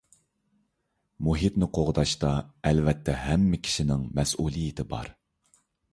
مۇھىتنى قوغداشتا ئەلۋەتتە ھەممە كىشىنىڭ مەسئۇلىيىتى بار.